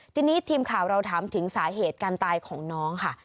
ทีนี้ทีมข่าวเราถามถึงสาเหตุการตายของน้องค่ะ